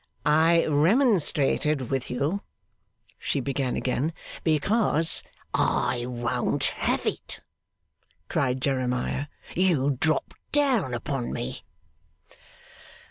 'I remonstrated with you,' she began again, 'because ' 'I won't have it!' cried Jeremiah. 'You dropped down upon me.